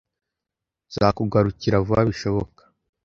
Nzakugarukira vuba bishoboka.